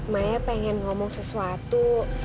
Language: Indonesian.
maya pengen ngomong sesuatu